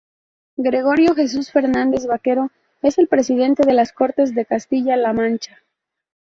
Gregorio Jesús Fernández Vaquero es el Presidente de las Cortes de Castilla-La Mancha.